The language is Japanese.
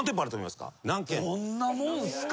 どんなもんすか？